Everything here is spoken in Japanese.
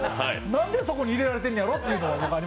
何でそこに入れられてんねやろって。